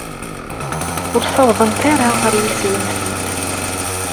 Ur ssawḍent ara ɣer yiswi-nsent.